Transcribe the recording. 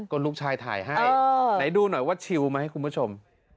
ก็ลูกชายถ่ายให้ไหนดูหน่อยว่าชิลไหมคุณผู้ชม